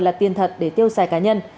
là tiền thật để tiêu xài cá nhân